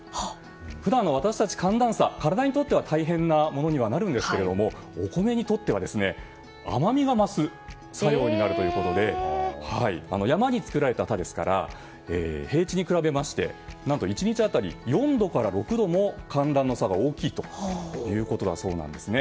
普段、私たち寒暖差は体にとっては大変なものにはなるんですけれどもお米にとっては、甘みが増す作用になるということで山に作られた田ですから平地に比べまして何と１日当たり、４度から６度も寒暖の差が大きいということさそうです。